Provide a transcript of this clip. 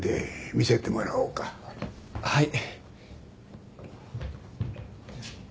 はい。